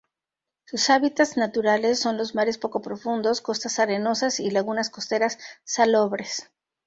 Sus hábitats naturales son los mares poco profundos, costas arenosas, y lagunas costeras salobres.